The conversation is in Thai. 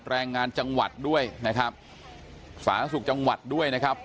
แรงงานจังหวัดด้วยนะครับสาธารณสุขจังหวัดด้วยนะครับ